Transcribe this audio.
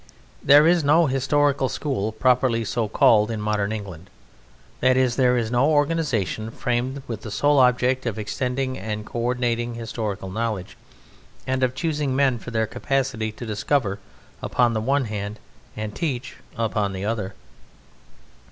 There is no historical school properly so called in modern England; that is, there is no organization framed with the sole object of extending and co ordinating historical knowledge and of choosing men for their capacity to discover upon the one hand and to teach upon the other.